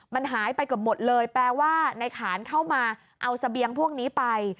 มันหายไปเกือบหมดเลยแปลว่าในขานเข้ามาเอาเสบียงพวกนี้ไป